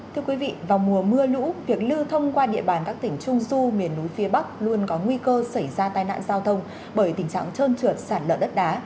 thưa quý vị vào mùa mưa lũ việc lưu thông qua địa bàn các tỉnh trung du miền núi phía bắc luôn có nguy cơ xảy ra tai nạn giao thông bởi tình trạng trơn trượt sạt lở đất đá